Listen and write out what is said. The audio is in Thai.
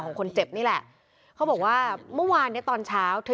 ของคนเจ็บนี่แหละเขาบอกว่าเมื่อวานเนี้ยตอนเช้าเธอ